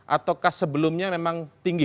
ataukah sebelumnya memang tinggi